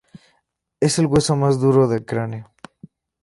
Es el hueso más duro del cráneo.